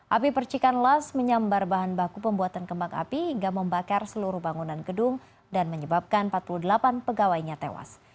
api percikan las menyambar bahan baku pembuatan kembang api hingga membakar seluruh bangunan gedung dan menyebabkan empat puluh delapan pegawainya tewas